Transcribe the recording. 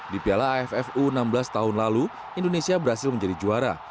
di piala aff u enam belas tahun lalu indonesia berhasil menjadi juara